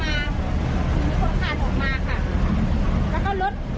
มีคนคานออกมาค่ะ